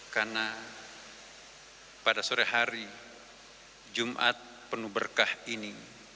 karena pada sore hari jumat penuh berkah ini